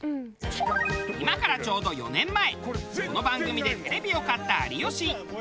今からちょうど４年前この番組でテレビを買った有吉。